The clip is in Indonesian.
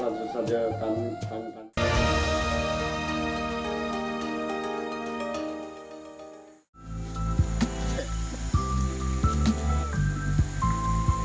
mereka juga berpikir